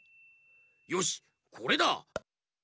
よしこれだ！